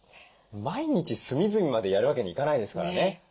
毎日隅々までやるわけにいかないですからね。